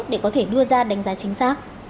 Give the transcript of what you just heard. để có thể đưa ra đánh giá chính xác